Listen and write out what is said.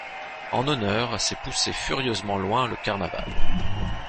En honneur, c’est pousser furieusement loin le carnaval.